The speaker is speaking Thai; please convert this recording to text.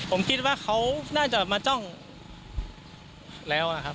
ผมคิดว่าเขาน่าจะมาจ้องแล้วครับ